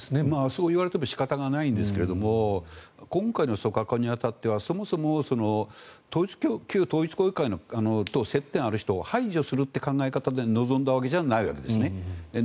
そう言われても仕方ないんですが今回の組閣に当たってはそもそも旧統一教会と接点がある人を排除するっていう考え方で臨んだわけじゃないわけですね。